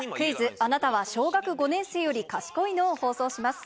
あなたは小学５年生より賢いの？を放送します。